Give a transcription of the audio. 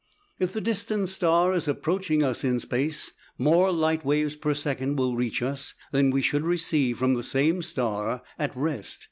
If the distant star is approaching us in space, more light waves per second will reach us than we should receive from the same star at rest.